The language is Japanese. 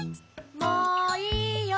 ・もういいよ。